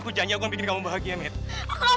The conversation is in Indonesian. aku janji aku akan bikin kamu bahagia minta